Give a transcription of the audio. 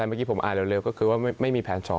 เมื่อกี้ผมอ่านเร็วก็คือว่าไม่มีแผน๒